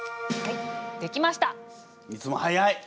いつも早い！